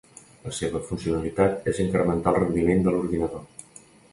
La seva funcionalitat és incrementar el rendiment de l’ordinador.